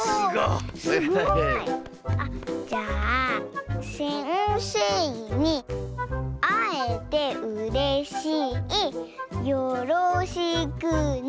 おすごい！あっじゃあ「せんせいにあえてうれしいよろしくね！」。